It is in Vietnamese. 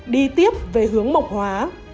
đi tiếp về hướng mộc hóa